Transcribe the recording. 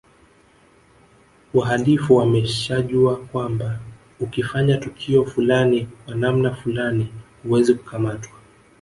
Wahalifu wameshajua kwamba ukifanya tukio fulani kwa namna fulani huwezi kukamatwa